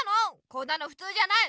こんなのふつうじゃない！